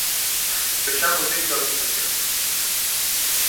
Vexamos disto algúns exemplos.